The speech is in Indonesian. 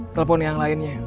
telepon yang lainnya